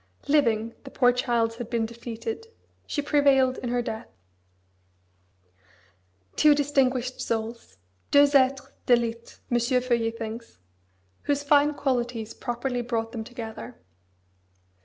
Living, the poor child had been defeated: she prevailed in her death. Two distinguished souls! deux êtres d'élite M. Feuillet thinks whose fine qualities properly brought them together.